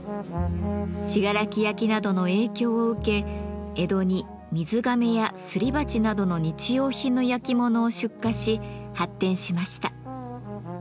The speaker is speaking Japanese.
信楽焼などの影響を受け江戸に水がめやすり鉢などの日用品の焼き物を出荷し発展しました。